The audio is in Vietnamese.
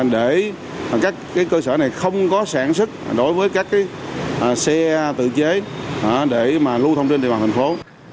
để các cơ sở này không có sản xuất đối với các xe tự chế để mà lưu thông trên địa bàn thành phố